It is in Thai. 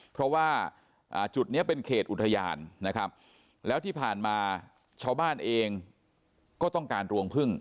เพราะว่าจุดนี้เป็นเขตอุทยานนะครับแล้วที่ผ่านมาชาวบ้านเองก็ต้องการรวงพึ่ง